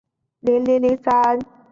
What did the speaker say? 塞默莱人口变化图示